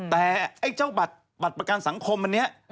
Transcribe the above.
แต่ไอ้เจ้าบัตรประกันสังคมอันนี้